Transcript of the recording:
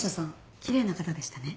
きれいな方でしたね。